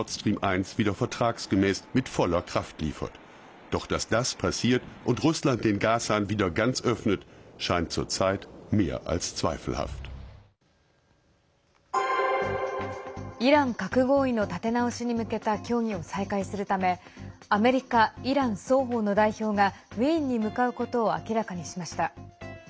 イラン核合意の立て直しに向けた協議を再開するためアメリカ、イラン双方の代表がウィーンに向かうことを明らかにしました。